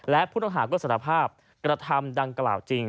และผู้ต้องหาก็สารภาพกระทำดังกล่าวจริง